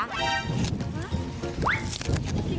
กินกันค่ะ